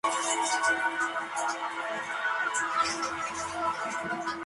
Se puede elaborar el vino de una lista cuidadosamente elegida de uvas.